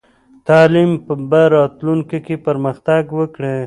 تعلیم به راتلونکې کې پرمختګ وکړي.